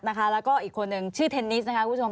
แล้วก็อีกคนนึงชื่อเทนนิสนะคะคุณผู้ชม